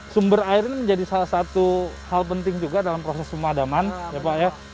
sumber air ini menjadi salah satu hal penting juga dalam proses pemadaman ya pak ya